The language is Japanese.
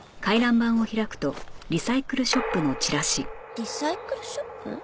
リサイクルショップ？